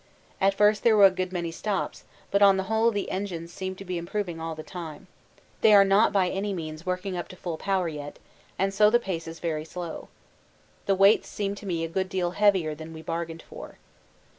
At first there were a good many stops, but on the whole the engines seemed to be improving all the time. They are not by any means working up to full power yet, and so the pace is very slow. The weights seem to me a good deal heavier than we bargained for.